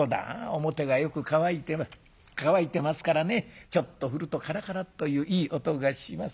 表がよく乾いてる乾いてますからねちょっと振るとカラカラッといういい音がします。